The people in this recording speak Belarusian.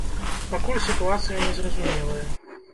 Пакуль сітуацыя не зразумелая.